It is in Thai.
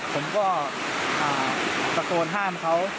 ผมก็ตะโกนห้ามเขา